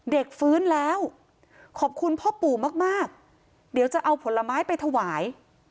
ฟื้นแล้วขอบคุณพ่อปู่มากมากเดี๋ยวจะเอาผลไม้ไปถวาย